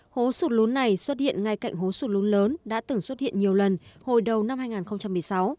hố sụt lún này xuất hiện ngay cạnh hố sụt lún lớn đã từng xuất hiện nhiều lần hồi đầu năm hai nghìn một mươi sáu